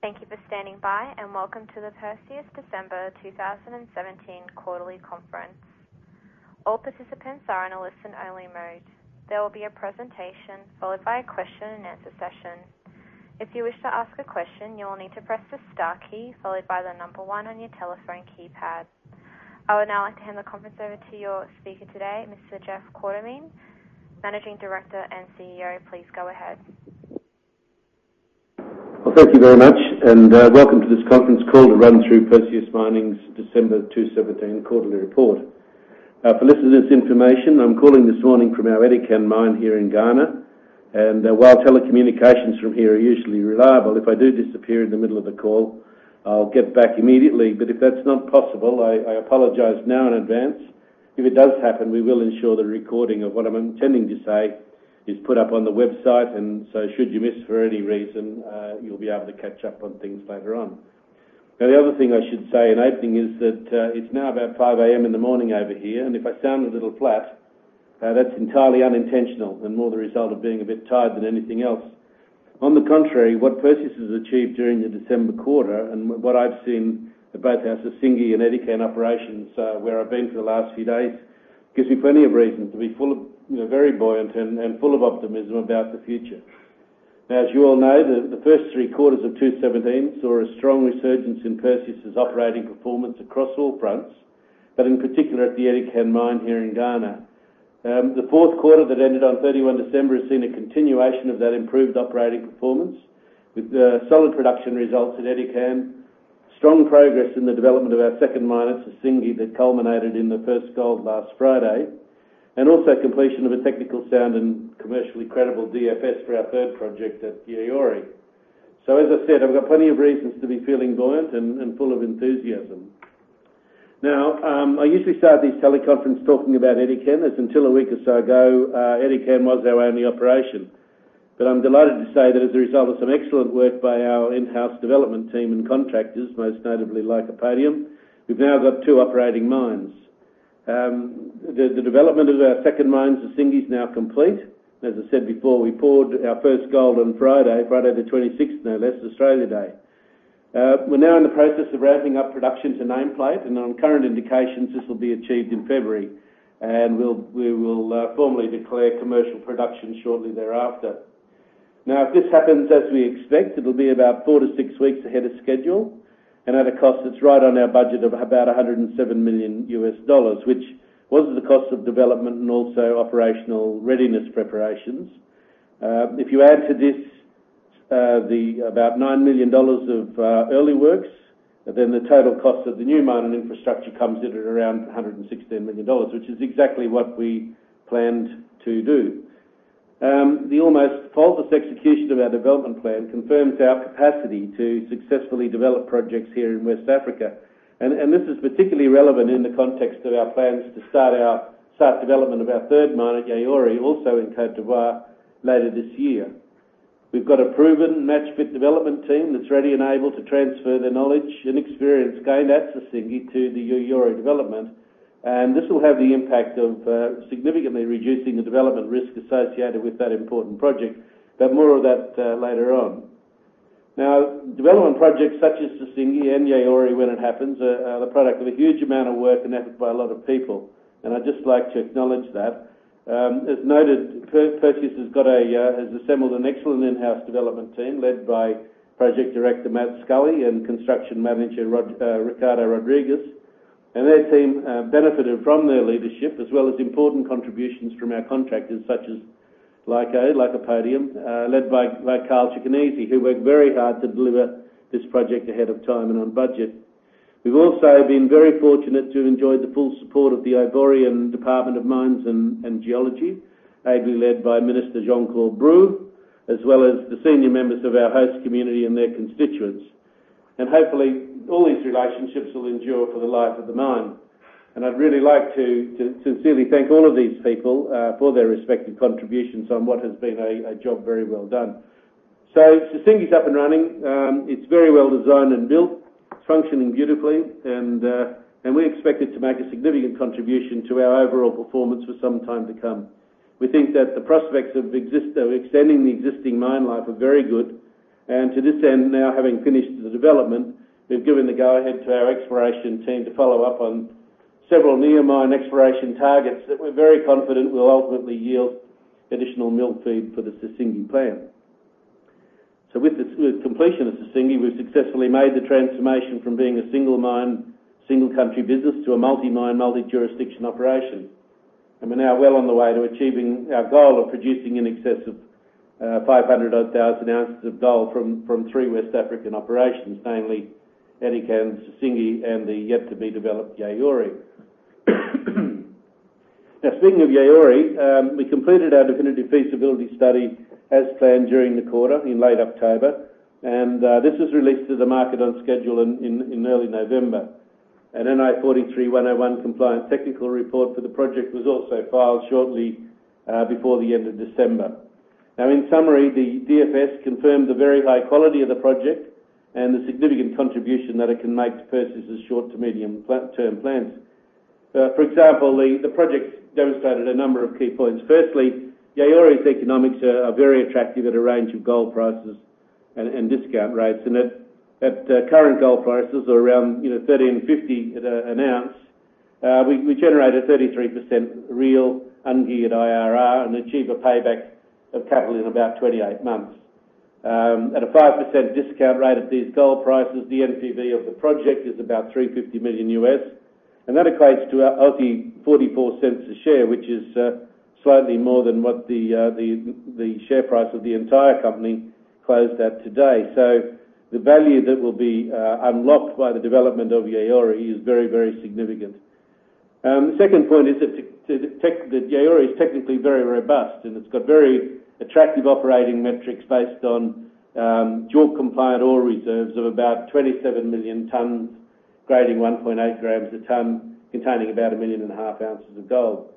Thank you for standing by and welcome to the Perseus December 2017 Quarterly Conference. All participants are in a listen-only mode. There will be a presentation followed by a question-and-answer session. If you wish to ask a question, you will need to press the star key followed by the number one on your telephone keypad. I would now like to hand the conference over to your speaker today, Mr. Jeff Quartermaine, Managing Director and CEO. Please go ahead. Thank you very much, and welcome to this conference call, a run-through of Perseus Mining's December 2017 Quarterly Report. For listeners' information, I'm calling this morning from our Edikan mine here in Ghana, and while telecommunications from here are usually reliable, if I do disappear in the middle of the call, I'll get back immediately. If that's not possible, I apologize now in advance. If it does happen, we will ensure the recording of what I'm intending to say is put up on the website, and so should you miss for any reason, you'll be able to catch up on things later on. Now, the other thing I should say in opening is that it's now about 5:00 A.M. in the morning over here, and if I sound a little flat, that's entirely unintentional and more the result of being a bit tired than anything else. On the contrary, what Perseus has achieved during the December quarter and what I've seen at both our Sissingué and Edikan operations where I've been for the last few days gives me plenty of reason to be very buoyant and full of optimism about the future. Now, as you all know, the first three quarters of 2017 saw a strong resurgence in Perseus' operating performance across all fronts, but in particular at the Edikan mine here in Ghana. The fourth quarter that ended on 31 December has seen a continuation of that improved operating performance with solid production results at Edikan, strong progress in the development of our second mine, Sissingué, that culminated in the first gold last Friday, and also completion of a technical, sound, and commercially credible DFS for our third project at Yaouré. So, as I said, I've got plenty of reasons to be feeling buoyant and full of enthusiasm. Now, I usually start these teleconferences talking about Edikan, as until a week or so ago, Edikan was our only operation. But I'm delighted to say that as a result of some excellent work by our in-house development team and contractors, most notably Lycopodium, we've now got two operating mines. The development of our second mine, Sissingué, is now complete. As I said before, we poured our first gold on Friday, Friday the 26th, no less, Australia Day. We're now in the process of ramping up production to nameplate, and on current indications, this will be achieved in February, and we will formally declare commercial production shortly thereafter. Now, if this happens as we expect, it'll be about four to six weeks ahead of schedule and at a cost that's right on our budget of about $107 million U.S. dollars, which was the cost of development and also operational readiness preparations. If you add to this about $9 million of early works, then the total cost of the new mine and infrastructure comes in at around $116 million, which is exactly what we planned to do. The almost faultless execution of our development plan confirms our capacity to successfully develop projects here in West Africa, and this is particularly relevant in the context of our plans to start development of our third mine at Yaouré, also in Côte d'Ivoire, later this year. We've got a proven match-fit development team that's ready and able to transfer the knowledge and experience gained at Sissingué to the Yaouré development, and this will have the impact of significantly reducing the development risk associated with that important project, but more of that later on. Now, development projects such as Sissingué and Yaouré, when it happens, are the product of a huge amount of work and effort by a lot of people, and I'd just like to acknowledge that. As noted, Perseus has assembled an excellent in-house development team led by Project Director Matt Scully and Construction Manager Ricardo Rodrigues, and their team benefited from their leadership as well as important contributions from our contractors such as Lycopodium, led by Karl Cicanese, who worked very hard to deliver this project ahead of time and on budget. We've also been very fortunate to enjoy the full support of the Ivorian Department of Mines and Geology, ably led by Minister Jean-Claude Brou, as well as the senior members of our host community and their constituents, and hopefully, all these relationships will endure for the life of the mine, and I'd really like to sincerely thank all of these people for their respective contributions on what has been a job very well done, so Sissingué's up and running. It's very well designed and built. It's functioning beautifully, and we expect it to make a significant contribution to our overall performance for some time to come. We think that the prospects of extending the existing mine life are very good, and to this end, now having finished the development, we've given the go-ahead to our exploration team to follow up on several near-mine exploration targets that we're very confident will ultimately yield additional mill feed for the Sissingué plant. With the completion of Sissingué, we've successfully made the transformation from being a single mine, single country business to a multi-mine, multi-jurisdiction operation, and we're now well on the way to achieving our goal of producing in excess of 500,000 ounces of gold from three West African operations, namely Edikan, Sissingué, and the yet-to-be-developed Yaouré. Speaking of Yaouré, we completed our definitive feasibility study as planned during the quarter in late October, and this was released to the market on schedule in early November. An NI 43-101 compliance technical report for the project was also filed shortly before the end of December. Now, in summary, the DFS confirmed the very high quality of the project and the significant contribution that it can make to Perseus' short- to medium-term plans. For example, the project demonstrated a number of key points. Firstly, Yaouré's economics are very attractive at a range of gold prices and discount rates, and at current gold prices of around $1,350 an ounce, we generated 33% real unhedged IRR and achieved a payback of capital in about 28 months. At a 5% discount rate at these gold prices, the NPV of the project is about $350 million, and that equates to a healthy $0.44 a share, which is slightly more than what the share price of the entire company closed at today. So, the value that will be unlocked by the development of Yaouré is very, very significant. The second point is that Yaouré is technically very robust, and it's got very attractive operating metrics based on JORC-compliant ore reserves of about 27 million tons, grading 1.8 grams a ton, containing about a 1.5 million ounces of gold.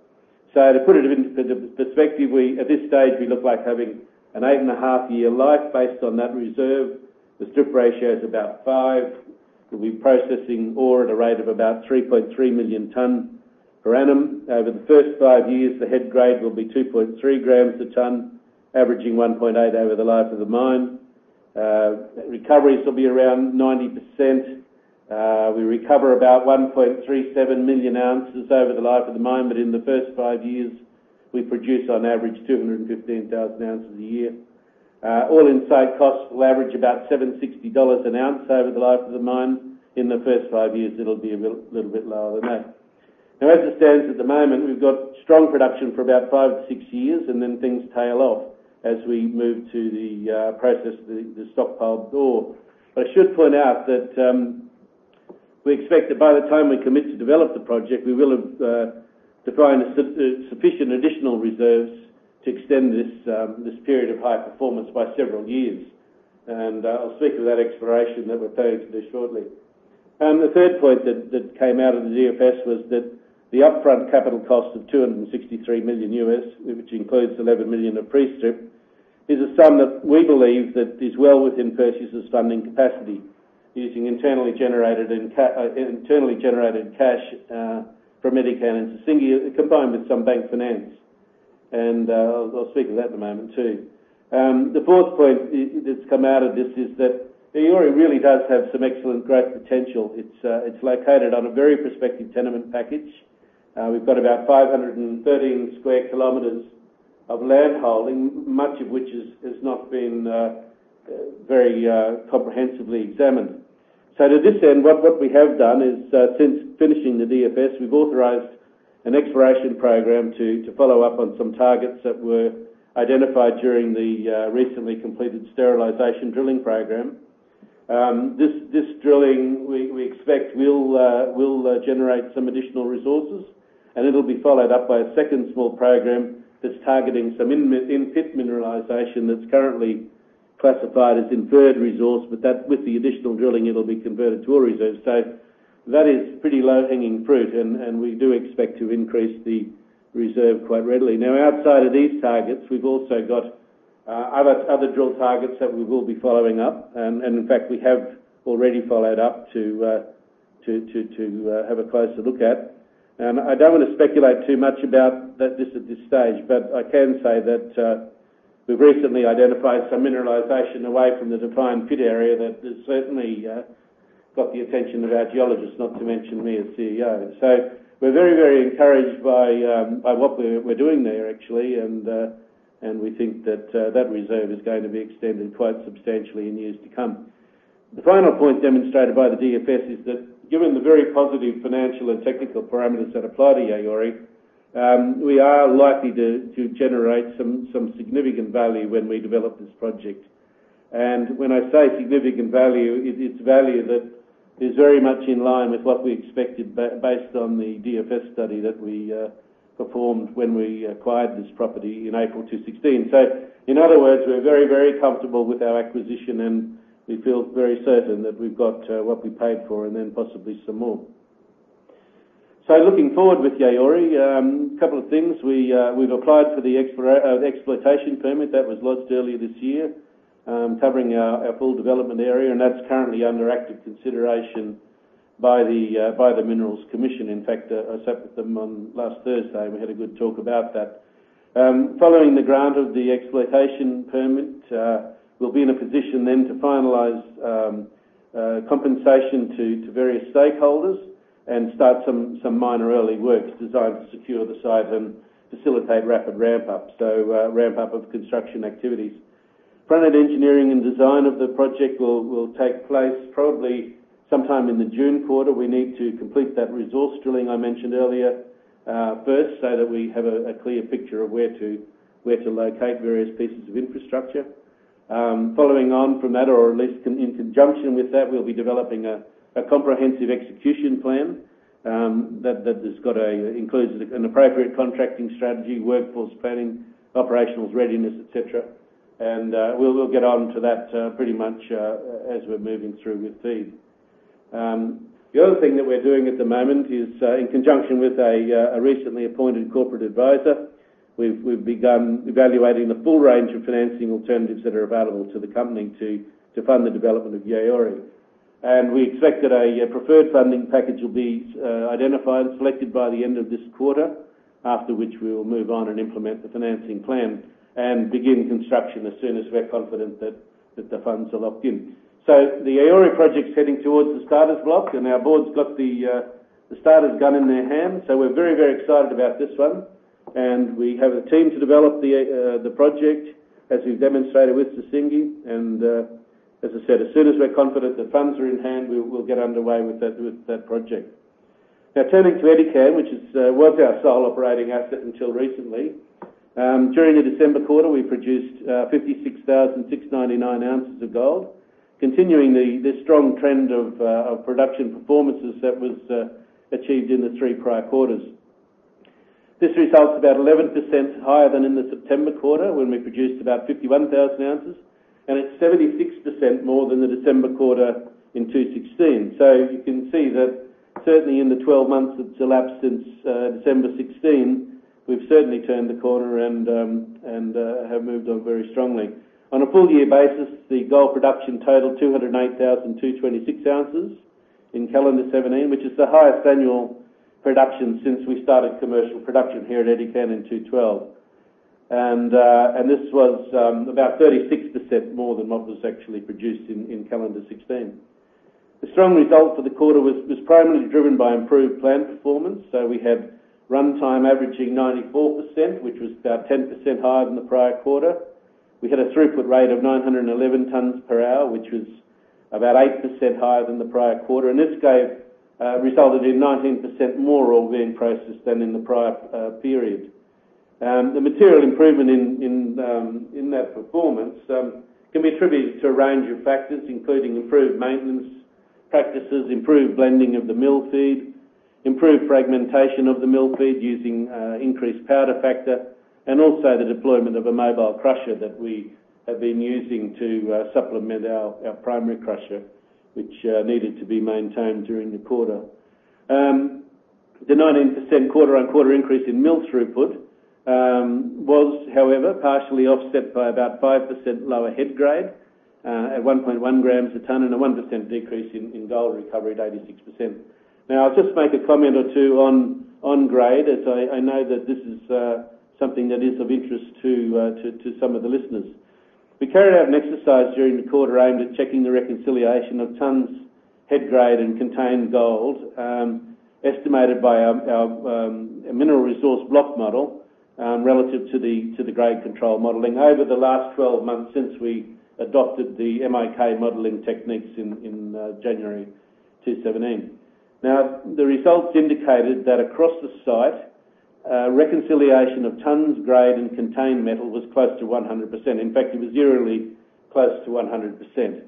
So, to put it into perspective, at this stage, we look like having an eight-and-a-half-year life based on that reserve. The strip ratio is about five. We're processing ore at a rate of about 3.3 million tons per annum. Over the first five years, the head grade will be 2.3 grams a ton, averaging 1.8 over the life of the mine. Recoveries will be around 90%. We recover about 1.37 million ounces over the life of the mine, but in the first five years, we produce on average 215,000 ounces a year. All-in site costs will average about $7.60 an ounce over the life of the mine. In the first five years, it'll be a little bit lower than that. Now, as it stands at the moment, we've got strong production for about five-six years, and then things tail off as we move to the process, the stockpile ore. But I should point out that we expect that by the time we commit to develop the project, we will have defined sufficient additional reserves to extend this period of high performance by several years, and I'll speak of that exploration that we're planning to do shortly. The third point that came out of the DFS was that the upfront capital cost of $263 million, which includes $11 million of pre-strip, is a sum that we believe is well within Perseus' funding capacity, using internally generated cash from Edikan and Sissingué, combined with some bank finance, and I'll speak of that in a moment too. The fourth point that's come out of this is that Yaouré really does have some excellent growth potential. It's located on a very prospective tenement package. We've got about 513 sq km of land holding, much of which has not been very comprehensively examined. So, to this end, what we have done is, since finishing the DFS, we've authorized an exploration program to follow up on some targets that were identified during the recently completed sterilization drilling program. This drilling, we expect, will generate some additional resources, and it'll be followed up by a second small program that's targeting some in-pit mineralization that's currently classified as inferred resource, but that, with the additional drilling, it'll be converted to a reserve. So, that is pretty low-hanging fruit, and we do expect to increase the reserve quite readily. Now, outside of these targets, we've also got other drill targets that we will be following up, and in fact, we have already followed up to have a closer look at. I don't want to speculate too much about this at this stage, but I can say that we've recently identified some mineralization away from the defined pit area that has certainly got the attention of our geologists, not to mention me, as CEO. So, we're very, very encouraged by what we're doing there, actually, and we think that that reserve is going to be extended quite substantially in years to come. The final point demonstrated by the DFS is that, given the very positive financial and technical parameters that apply to Yaouré, we are likely to generate some significant value when we develop this project. And when I say significant value, it's value that is very much in line with what we expected based on the DFS study that we performed when we acquired this property in April 2016. So, in other words, we're very, very comfortable with our acquisition, and we feel very certain that we've got what we paid for and then possibly some more. So, looking forward with Yaouré, a couple of things. We've applied for the exploitation permit that was lodged earlier this year, covering our full development area, and that's currently under active consideration by the Minerals Commission. In fact, I sat with them last Thursday, and we had a good talk about that. Following the grant of the exploitation permit, we'll be in a position then to finalize compensation to various stakeholders and start some minor early works designed to secure the site and facilitate rapid ramp-up, so ramp-up of construction activities. Front-end engineering and design of the project will take place probably sometime in the June quarter. We need to complete that resource drilling I mentioned earlier first so that we have a clear picture of where to locate various pieces of infrastructure. Following on from that, or at least in conjunction with that, we'll be developing a comprehensive execution plan that includes an appropriate contracting strategy, workforce planning, operational readiness, etc., and we'll get on to that pretty much as we're moving through with feed. The other thing that we're doing at the moment is, in conjunction with a recently appointed corporate advisor, we've begun evaluating the full range of financing alternatives that are available to the company to fund the development of Yaouré, and we expect that a preferred funding package will be identified and selected by the end of this quarter, after which we will move on and implement the financing plan and begin construction as soon as we're confident that the funds are locked in. So, the Yaouré project's heading towards the starting blocks, and our board's got the starter's gun in their hand, so we're very, very excited about this one, and we have a team to develop the project, as we've demonstrated with Sissingué, and as I said, as soon as we're confident the funds are in hand, we'll get underway with that project. Now, turning to Edikan, which was our sole operating asset until recently, during the December quarter, we produced 56,699 ounces of gold, continuing the strong trend of production performances that was achieved in the three prior quarters. This results about 11% higher than in the September quarter, when we produced about 51,000 ounces, and it's 76% more than the December quarter in 2016. So, you can see that certainly in the 12 months that's elapsed since December 2016, we've certainly turned the corner and have moved on very strongly. On a full-year basis, the gold production totaled 208,226 ounces in calendar 2017, which is the highest annual production since we started commercial production here at Edikan in 2012, and this was about 36% more than what was actually produced in calendar 2016. The strong result for the quarter was primarily driven by improved plant performance, so we had runtime averaging 94%, which was about 10% higher than the prior quarter. We had a throughput rate of 911 tons per hour, which was about 8% higher than the prior quarter, and this resulted in 19% more ore being processed than in the prior period. The material improvement in that performance can be attributed to a range of factors, including improved maintenance practices, improved blending of the mill feed, improved fragmentation of the mill feed using increased powder factor, and also the deployment of a mobile crusher that we have been using to supplement our primary crusher, which needed to be maintained during the quarter. The 19% quarter-on-quarter increase in mill throughput was, however, partially offset by about 5% lower head grade at 1.1 grams a ton, and a 1% decrease in gold recovery at 86%. Now, I'll just make a comment or two on grade, as I know that this is something that is of interest to some of the listeners. We carried out an exercise during the quarter aimed at checking the reconciliation of tons, head grade, and contained gold, estimated by our mineral resource block model relative to the grade control modeling over the last 12 months since we adopted the MIK modeling techniques in January 2017. Now, the results indicated that across the site, reconciliation of tons, grade, and contained metal was close to 100%. In fact, in Yaouré close to 100%.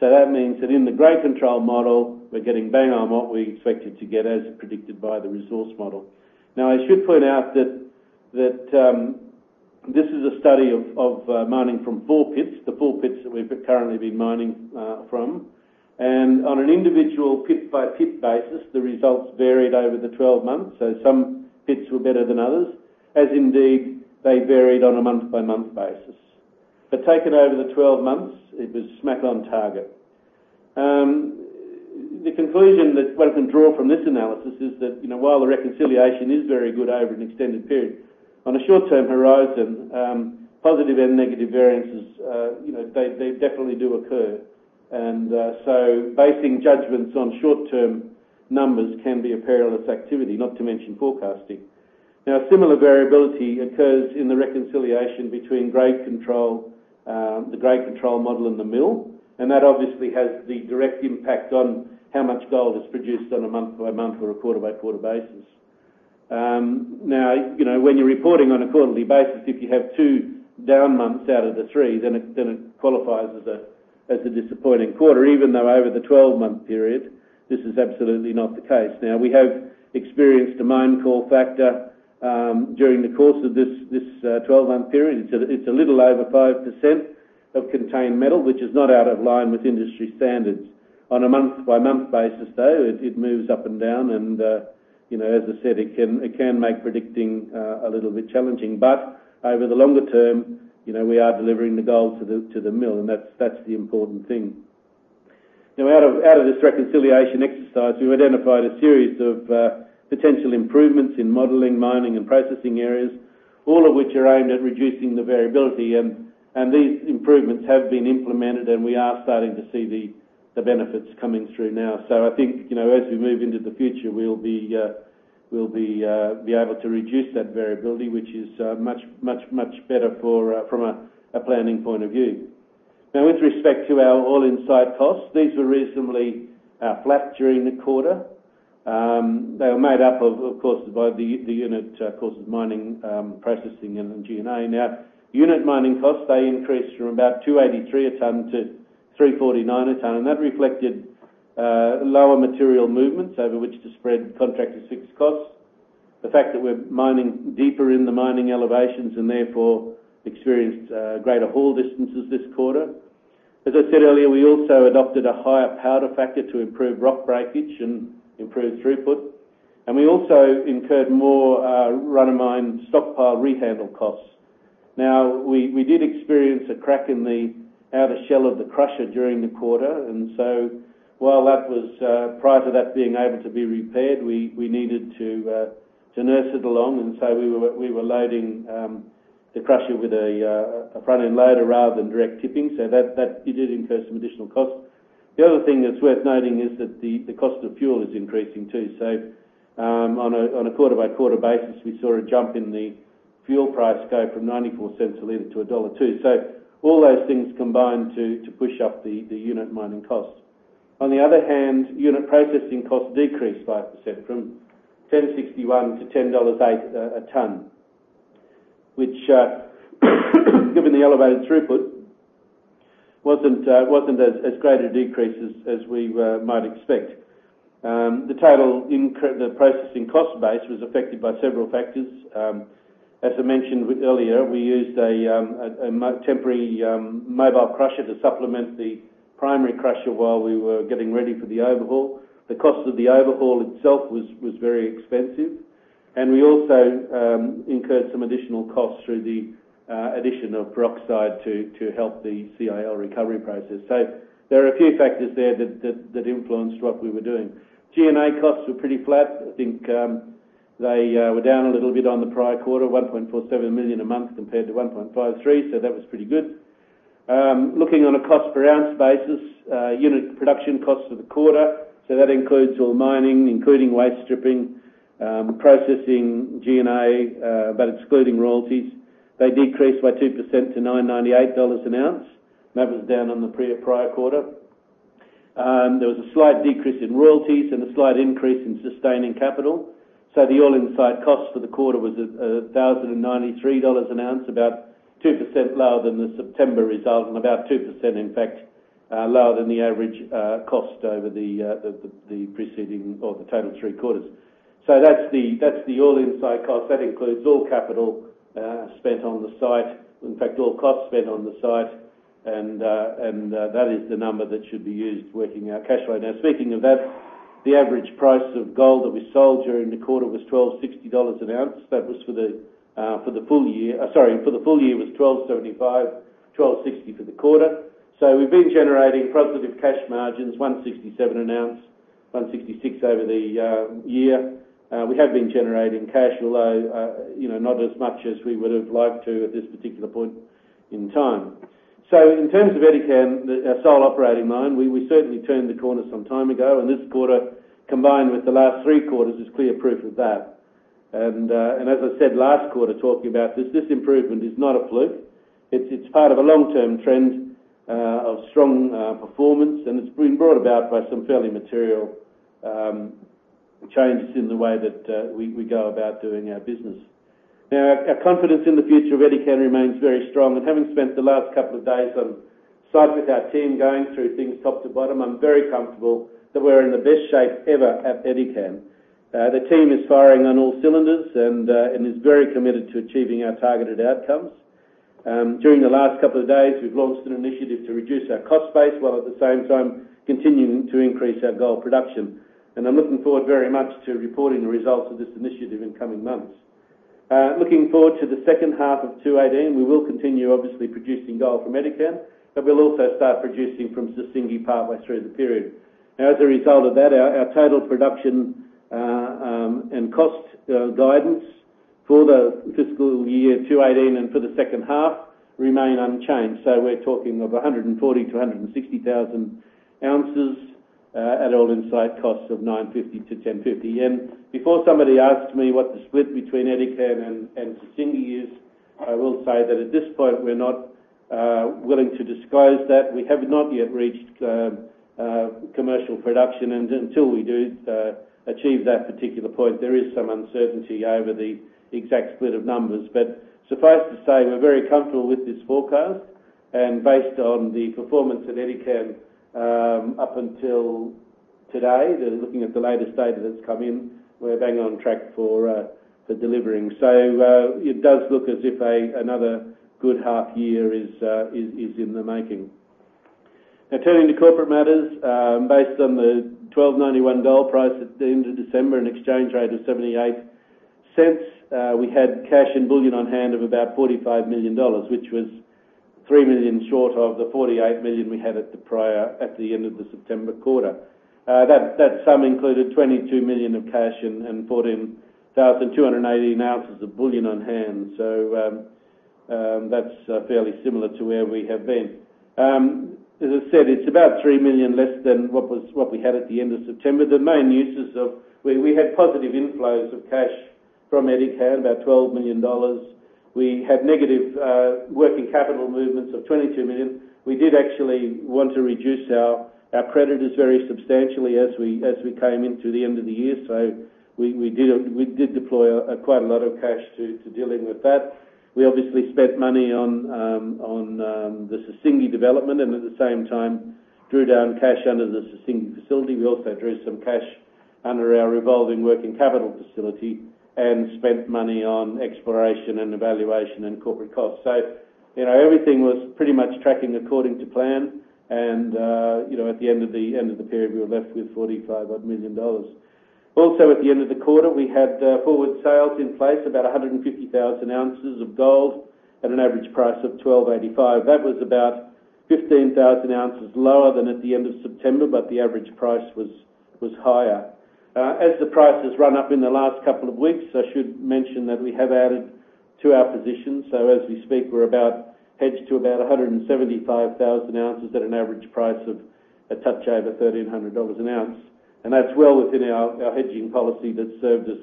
So, that means that in the grade control model, we're getting bang on what we expected to get as predicted by the resource model. Now, I should point out that this is a study of mining from four pits, the four pits that we've currently been mining from, and on an individual pit-by-pit basis, the results varied over the 12 months, so some pits were better than others, as indeed they varied on a month-by-month basis. But taken over the 12 months, it was smack on target. The conclusion that one can draw from this analysis is that while the reconciliation is very good over an extended period, on a short-term horizon, positive and negative variances, they definitely do occur, and so basing judgments on short-term numbers can be a perilous activity, not to mention forecasting. Now, similar variability occurs in the reconciliation between grade control, the grade control model in the mill, and that obviously has the direct impact on how much gold is produced on a month-by-month or a quarter-by-quarter basis. Now, when you're reporting on a quarterly basis, if you have two down months out of the three, then it qualifies as a disappointing quarter, even though over the 12-month period, this is absolutely not the case. Now, we have experienced a mine call factor during the course of this 12-month period. It's a little over 5% of contained metal, which is not out of line with industry standards. On a month-by-month basis, though, it moves up and down, and as I said, it can make predicting a little bit challenging, but over the longer term, we are delivering the gold to the mill, and that's the important thing. Now, out of this reconciliation exercise, we identified a series of potential improvements in modeling, mining, and processing areas, all of which are aimed at reducing the variability, and these improvements have been implemented, and we are starting to see the benefits coming through now. So, I think as we move into the future, we'll be able to reduce that variability, which is much, much, much better from a planning point of view. Now, with respect to our all-in site costs, these were reasonably flat during the quarter. They were made up of, of course, the unit costs of mining, processing, and G&A. Now, unit mining costs, they increased from about $283 a ton to $349 a ton, and that reflected lower material movements over which to spread contracted fixed costs, the fact that we're mining deeper in the mining elevations, and therefore experienced greater haul distances this quarter. As I said earlier, we also adopted a higher powder factor to improve rock breakage and improve throughput, and we also incurred more run-of-mine stockpile rehandle costs. Now, we did experience a crack in the outer shell of the crusher during the quarter, and so while that was prior to that being able to be repaired, we needed to nurse it along, and so we were loading the crusher with a front-end loader rather than direct tipping, so that did incur some additional costs. The other thing that's worth noting is that the cost of fuel is increasing too, so on a quarter-by-quarter basis, we saw a jump in the fuel price go from 0.94 a liter to dollar 1.02, so all those things combined to push up the unit mining costs. On the other hand, unit processing costs decreased 5% from $10.61 to $10.08 a ton, which, given the elevated throughput, wasn't as great a decrease as we might expect. The total processing cost base was affected by several factors. As I mentioned earlier, we used a temporary mobile crusher to supplement the primary crusher while we were getting ready for the overhaul. The cost of the overhaul itself was very expensive, and we also incurred some additional costs through the addition of peroxide to help the CIL recovery process. So, there are a few factors there that influenced what we were doing. G&A costs were pretty flat. I think they were down a little bit on the prior quarter, $1.47 million a month compared to $1.53, so that was pretty good. Looking on a cost-per-ounce basis, unit production costs for the quarter, so that includes all mining, including waste stripping, processing, G&A, but excluding royalties, they decreased by 2% to $9.98 an ounce. That was down on the prior quarter. There was a slight decrease in royalties and a slight increase in sustaining capital, so the all-in site cost for the quarter was $1,093 an ounce, about 2% lower than the September result and about 2%, in fact, lower than the average cost over the preceding or the total three quarters. So, that's the all-in site cost. That includes all capital spent on the site, in fact, all costs spent on the site, and that is the number that should be used working out cash flow. Now, speaking of that, the average price of gold that we sold during the quarter was $1,260 an ounce. That was for the full year, sorry, for the full year was $1,275, $1,260 for the quarter. So, we've been generating positive cash margins, $167 an ounce, $166 over the year. We have been generating cash, although not as much as we would have liked to at this particular point in time. So, in terms of Edikan, our sole operating mine, we certainly turned the corner some time ago, and this quarter, combined with the last three quarters, is clear proof of that. As I said last quarter, talking about this, this improvement is not a fluke. It's part of a long-term trend of strong performance, and it's been brought about by some fairly material changes in the way that we go about doing our business. Now, our confidence in the future of Edikan remains very strong, and having spent the last couple of days on site with our team going through things top to bottom, I'm very comfortable that we're in the best shape ever at Edikan. The team is firing on all cylinders and is very committed to achieving our targeted outcomes. During the last couple of days, we've launched an initiative to reduce our cost base while at the same time continuing to increase our gold production, and I'm looking forward very much to reporting the results of this initiative in coming months. Looking forward to the second half of 2018, we will continue, obviously, producing gold from Edikan, but we'll also start producing from Sissingué partway through the period. Now, as a result of that, our total production and cost guidance for the fiscal year 2018 and for the second half remain unchanged, so we're talking of 140,000-160,000 ounces at all-in site costs of $950-$1,050. Before somebody asks me what the split between Edikan and Sissingué is, I will say that at this point, we're not willing to disclose that. We have not yet reached commercial production, and until we do achieve that particular point, there is some uncertainty over the exact split of numbers. But suffice to say, we're very comfortable with this forecast, and based on the performance at Edikan up until today, looking at the latest data that's come in, we're bang on track for delivering, so it does look as if another good half year is in the making. Now, turning to corporate matters, based on the $1,291 gold price at the end of December and exchange rate of 78 cents, we had cash and bullion on hand of about $45 million, which was $3 million short of the $48 million we had at the end of the September quarter. That sum included $22 million of cash and 14,280 ounces of bullion on hand, so that's fairly similar to where we have been. As I said, it's about $3 million less than what we had at the end of September. The main uses of we had positive inflows of cash from Edikan, about $12 million. We had negative working capital movements of $22 million. We did actually want to reduce our creditors very substantially as we came into the end of the year, so we did deploy quite a lot of cash to dealing with that. We obviously spent money on the Sissingué development and at the same time drew down cash under the Sissingué facility. We also drew some cash under our revolving working capital facility and spent money on exploration and evaluation and corporate costs. So, everything was pretty much tracking according to plan, and at the end of the period, we were left with $45 million. Also, at the end of the quarter, we had forward sales in place, about 150,000 ounces of gold at an average price of $1,285. That was about 15,000 ounces lower than at the end of September, but the average price was higher. As the prices run up in the last couple of weeks, I should mention that we have added to our position, so as we speak, we're about hedged to about 175,000 ounces at an average price of a touch over $1,300 an ounce, and that's well within our hedging policy that's served us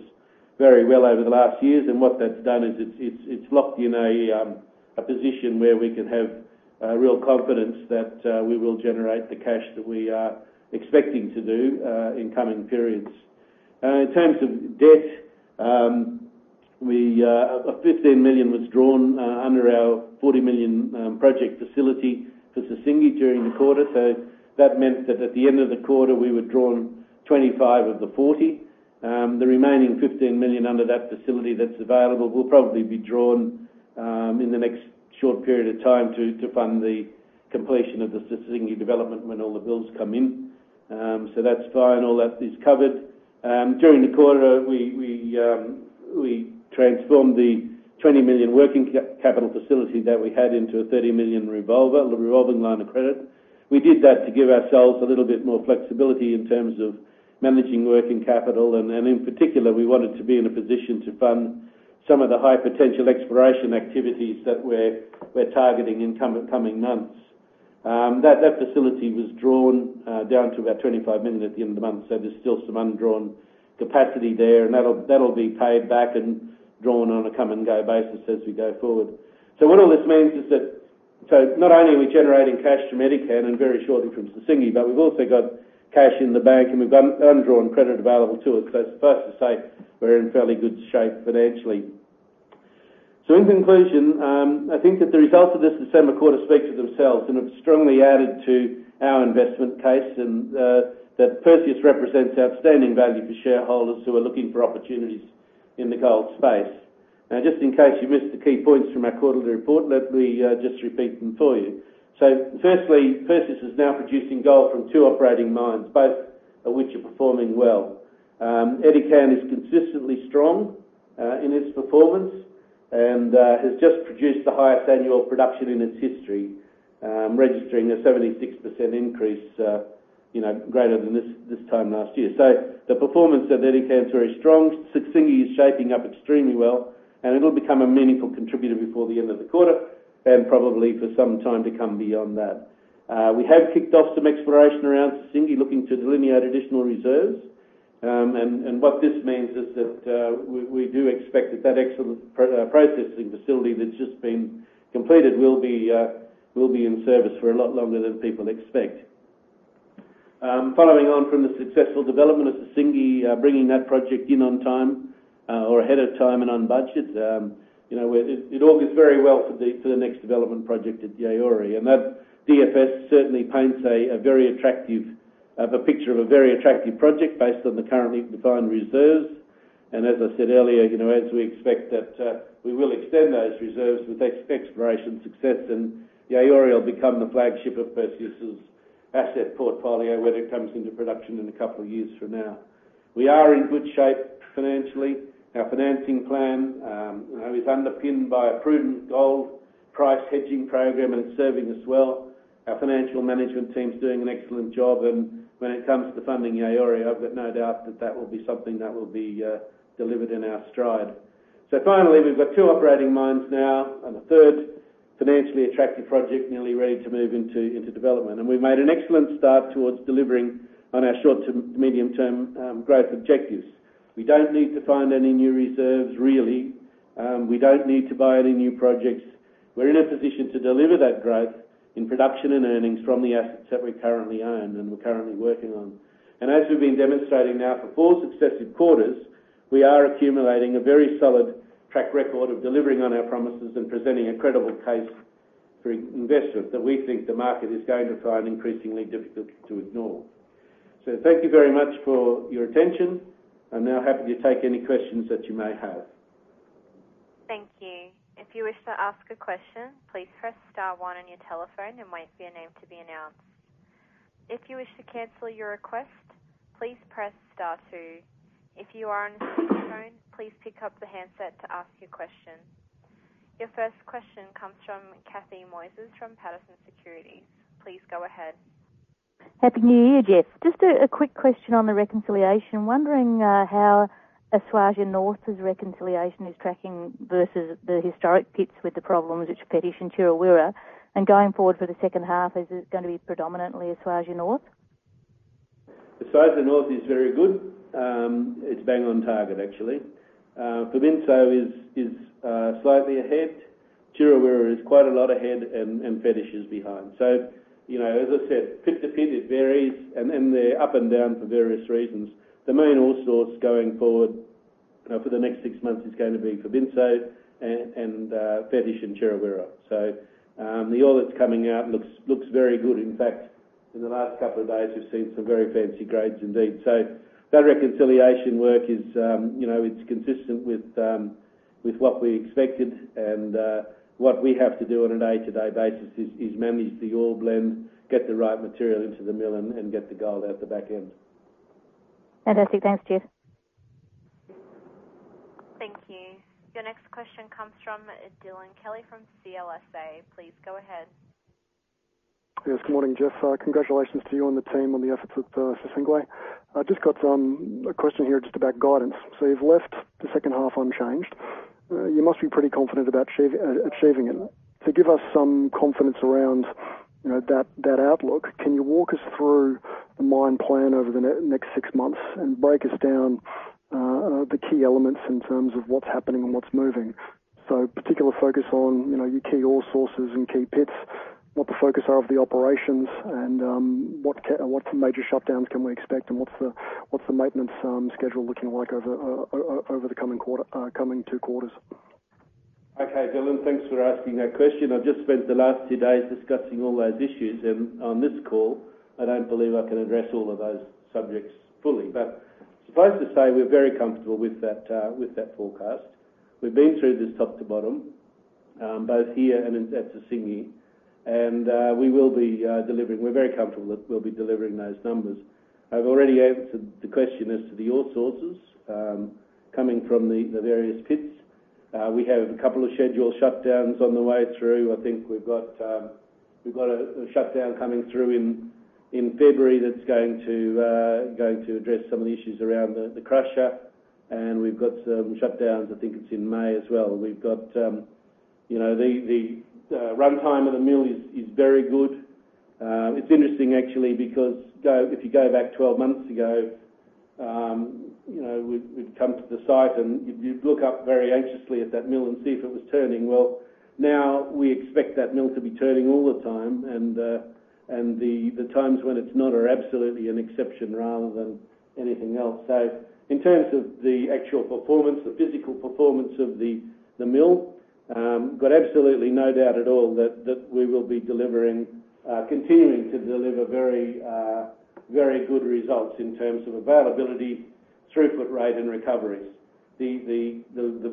very well over the last years. And what that's done is it's locked in a position where we can have real confidence that we will generate the cash that we are expecting to do in coming periods. In terms of debt, $15 million was drawn under our $40 million project facility for Sissingué during the quarter, so that meant that at the end of the quarter, we were drawn 25 of the 40. The remaining $15 million under that facility that's available will probably be drawn in the next short period of time to fund the completion of the Sissingué development when all the bills come in, so that's fine. All that is covered. During the quarter, we transformed the $20 million working capital facility that we had into a $30 million revolving line of credit. We did that to give ourselves a little bit more flexibility in terms of managing working capital, and in particular, we wanted to be in a position to fund some of the high potential exploration activities that we're targeting in coming months. That facility was drawn down to about $25 million at the end of the month, so there's still some undrawn capacity there, and that'll be paid back and drawn on a come-and-go basis as we go forward. So, what all this means is that not only are we generating cash from Edikan and very shortly from Sissingué, but we've also got cash in the bank, and we've got undrawn credit available to us, so suffice to say, we're in fairly good shape financially. So, in conclusion, I think that the results of this December quarter speak for themselves, and it's strongly added to our investment case, and that Perseus represents outstanding value for shareholders who are looking for opportunities in the gold space. Now, just in case you missed the key points from our quarterly report, let me just repeat them for you. So, firstly, Perseus is now producing gold from two operating mines, both of which are performing well. Edikan is consistently strong in its performance and has just produced the highest annual production in its history, registering a 76% increase greater than this time last year. So, the performance at Edikan is very strong. Sissingué is shaping up extremely well, and it'll become a meaningful contributor before the end of the quarter and probably for some time to come beyond that. We have kicked off some exploration around Sissingué, looking to delineate additional reserves, and what this means is that we do expect that that excellent processing facility that's just been completed will be in service for a lot longer than people expect. Following on from the successful development of Sissingué, bringing that project in on time or ahead of time and on budget, it all goes very well for the next development project at Yaouré, and that DFS certainly paints a very attractive picture of a very attractive project based on the currently defined reserves. And as I said earlier, as we expect that we will extend those reserves with exploration success, and Yaouré will become the flagship of Perseus's asset portfolio when it comes into production in a couple of years from now. We are in good shape financially. Our financing plan is underpinned by a prudent gold price hedging program, and it's serving us well. Our financial management team's doing an excellent job, and when it comes to funding Yaouré, I've got no doubt that that will be something that will be delivered in our stride. Finally, we've got two operating mines now and a third financially attractive project nearly ready to move into development, and we've made an excellent start towards delivering on our short to medium-term growth objectives. We don't need to find any new reserves, really. We don't need to buy any new projects. We're in a position to deliver that growth in production and earnings from the assets that we currently own and we're currently working on. As we've been demonstrating now for four successive quarters, we are accumulating a very solid track record of delivering on our promises and presenting a credible case for investment that we think the market is going to find increasingly difficult to ignore. Thank you very much for your attention. I'm now happy to take any questions that you may have. Thank you. If you wish to ask a question, please press star one on your telephone. There might be a name to be announced. If you wish to cancel your request, please press star two. If you are on a speakerphone, please pick up the handset to ask your question. Your first question comes from Cathy Moises from Patersons Securities. Please go ahead. Happy New Year, Jeff. Just a quick question on the reconciliation. Wondering how Esuajah North's reconciliation is tracking versus the historic pits with the problems which Fetish and Chirawewa. And going forward for the second half, is it going to be predominantly Esuajah North? Esuajah North is very good. It's bang on target, actually. Fobinso is slightly ahead. Chirawewa is quite a lot ahead, and Fetish is behind. So, as I said, pick the pit. It varies, and they're up and down for various reasons. The main ore source going forward for the next six months is going to be Fobinso and Fetish and Chirawewa. So, the ore that's coming out looks very good. In fact, in the last couple of days, we've seen some very fancy grades, indeed. So, that reconciliation work is consistent with what we expected, and what we have to do on a day-to-day basis is manage the ore blend, get the right material into the mill, and get the gold out the back end. Fantastic. Thanks, Jeff. Thank you. Your next question comes from Dylan Kelly from CLSA. Please go ahead. Yes, good morning, Jeff. Congratulations to you and the team on the efforts at Sissingué. I've just got a question here just about guidance. So, you've left the second half unchanged. You must be pretty confident about achieving it. To give us some confidence around that outlook, can you walk us through the mine plan over the next six months and break down the key elements in terms of what's happening and what's moving? So, particular focus on your key ore sources and key pits, what the focus are of the operations, and what major shutdowns can we expect, and what's the maintenance schedule looking like over the coming two quarters? Okay, Dylan, thanks for asking that question. I've just spent the last two days discussing all those issues, and on this call, I don't believe I can address all of those subjects fully. But suffice to say, we're very comfortable with that forecast. We've been through this top to bottom, both here and at Sissingué, and we will be delivering. We're very comfortable that we'll be delivering those numbers. I've already answered the question as to the all sources coming from the various pits. We have a couple of scheduled shutdowns on the way through. I think we've got a shutdown coming through in February that's going to address some of the issues around the crusher, and we've got some shutdowns, I think it's in May as well. We've got the runtime of the mill is very good. It's interesting, actually, because if you go back 12 months ago, we'd come to the site, and you'd look up very anxiously at that mill and see if it was turning, well, now we expect that mill to be turning all the time, and the times when it's not are absolutely an exception rather than anything else. So, in terms of the actual performance, the physical performance of the mill, I've got absolutely no doubt at all that we will be delivering, continuing to deliver very good results in terms of availability, throughput rate, and recoveries. The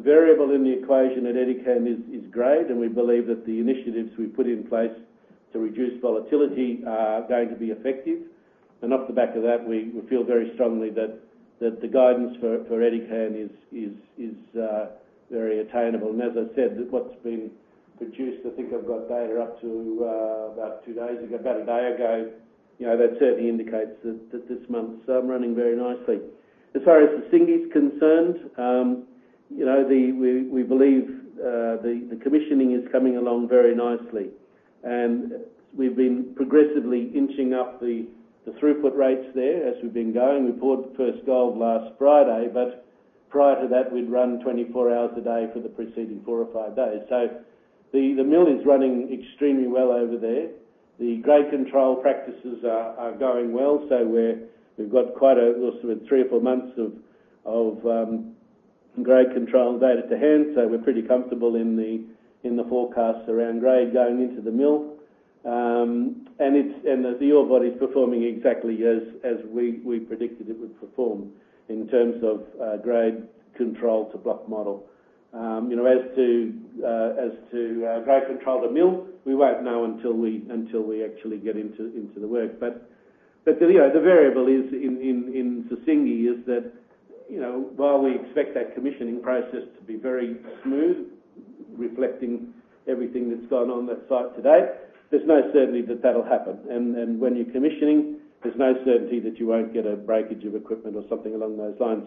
variable in the equation at Edikan is grade, and we believe that the initiatives we've put in place to reduce volatility are going to be effective, and off the back of that, we feel very strongly that the guidance for Edikan is very attainable. And as I said, what's been produced, I think I've got data up to about two days ago, about a day ago, that certainly indicates that this month's running very nicely. As far as Sissingué's concerned, we believe the commissioning is coming along very nicely, and we've been progressively inching up the throughput rates there as we've been going. We poured the first gold last Friday, but prior to that, we'd run 24 hours a day for the preceding four or five days. So, the mill is running extremely well over there. The grade control practices are going well, so we've got quite a, we've got three or four months of grade control data to hand, so we're pretty comfortable in the forecasts around grade going into the mill. And the ore body's performing exactly as we predicted it would perform in terms of grade control to block model. As to grade control to mill, we won't know until we actually get into the work, but the variable in Sissingué is that while we expect that commissioning process to be very smooth, reflecting everything that's gone on that site today, there's no certainty that that'll happen. When you're commissioning, there's no certainty that you won't get a breakage of equipment or something along those lines.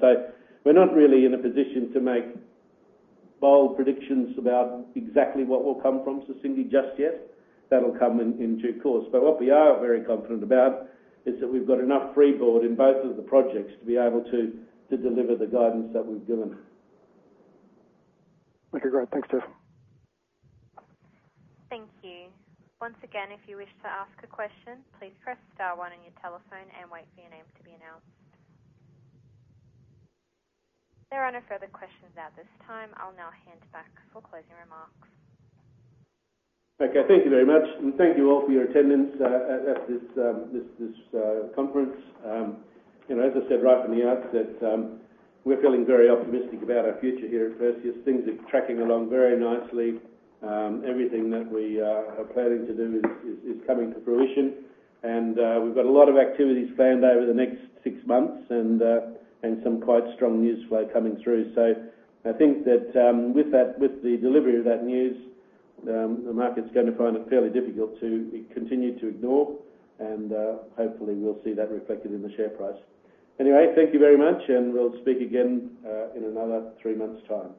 We're not really in a position to make bold predictions about exactly what will come from Sissingué just yet. That'll come in due course. What we are very confident about is that we've got enough freeboard in both of the projects to be able to deliver the guidance that we've given. Okay, great. Thanks, Jeff. Thank you. Once again, if you wish to ask a question, please press star one on your telephone and wait for your name to be announced. There are no further questions at this time. I'll now hand back for closing remarks. Okay, thank you very much, and thank you all for your attendance at this conference. As I said right from the outset, we're feeling very optimistic about our future here at Perseus. Things are tracking along very nicely. Everything that we are planning to do is coming to fruition, and we've got a lot of activities planned over the next six months and some quite strong news flow coming through. So, I think that with the delivery of that news, the market's going to find it fairly difficult to continue to ignore, and hopefully, we'll see that reflected in the share price. Anyway, thank you very much, and we'll speak again in another three months' time.